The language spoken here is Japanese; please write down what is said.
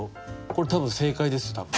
これ多分正解ですよ多分。